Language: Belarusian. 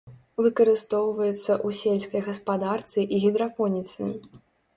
Выкарыстоўваецца ў сельскай гаспадарцы і гідрапоніцы.